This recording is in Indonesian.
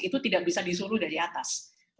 itu tidak bisa disuruh dari atas